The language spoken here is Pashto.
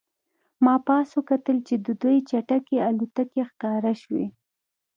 ما پاس وکتل چې دوې چټکې الوتکې ښکاره شوې